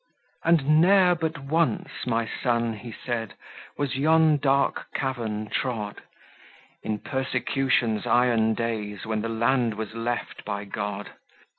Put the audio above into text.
"'And ne'er but once, my son,' he said, 'Was yon dark cavern trod; In persecution's iron days, When the land was left by God.